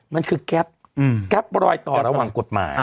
มันคือแก๊ปแก๊ปรอยต่อระหว่างกฎหมาย